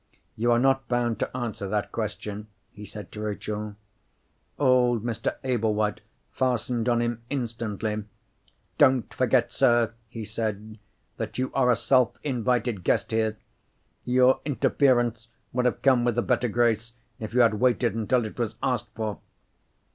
"You are not bound to answer that question," he said to Rachel. Old Mr. Ablewhite fastened on him instantly. "Don't forget, sir," he said, "that you are a self invited guest here. Your interference would have come with a better grace if you had waited until it was asked for."